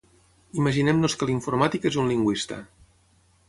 Imaginem-nos que l'informàtic és un lingüista.